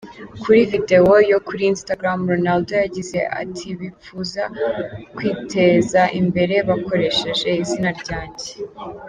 Kuri video yo kuri Instagram Ronaldo yagize ati: "Bipfuza kwiteza imbere bakoresheje izina ryanje.